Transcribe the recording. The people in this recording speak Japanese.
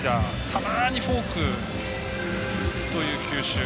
たまにフォークという球種。